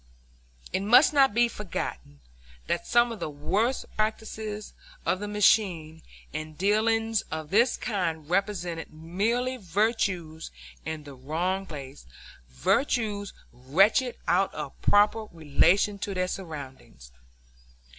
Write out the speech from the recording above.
It must not be forgotten that some of the worst practices of the machine in dealings of this kind represented merely virtues in the wrong place, virtues wrenched out of proper relation to their surroundings.